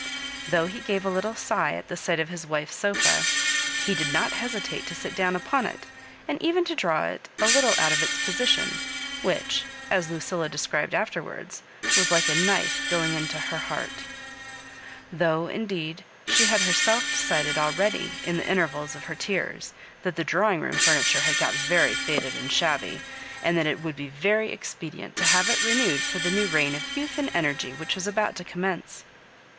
Though he gave Digitized by VjOOQIC mSS MABJOBIBAKKS. a Uttle sigh at the sight of his wife^s sofa, he did not hesitate to sit down upoa it, and even to draw it a little out of its position, which, as Ludlla described aAierwards, was like a knife going into her heart Though, indeed, she had herself decided already, in the intervals of her tears, that the drawing room furniture had got very faded and shabby, and that it would be very expedient to have it renewed for the new reign of youth and energy which was about to commence.